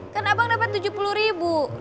kan abang dapat tujuh puluh ribu